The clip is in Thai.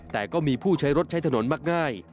แต่ก็มีผู้ใช้รถใช้ถนนมากง่าย